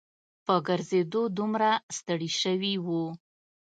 په ګرځېدو دومره ستړي شوي وو.